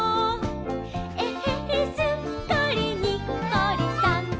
「えへへすっかりにっこりさん！」